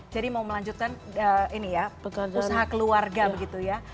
jadi mau melanjutkan ini ya usaha keluarga begitu ya